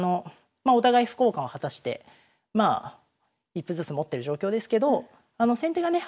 まあお互い歩交換を果たしてまあ１歩ずつ持ってる状況ですけど先手がね